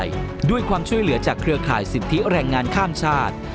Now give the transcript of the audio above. ในความแห่งประเทศไทยด้วยความช่วยเหลือจากเครือข่ายสิทธิแรงงานข้ามชาติ